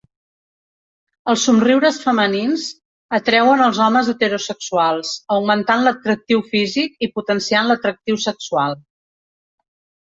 Els somriures femenins atreuen als homes heterosexuals, augmentant l'atractiu físic i potenciant l'atractiu sexual.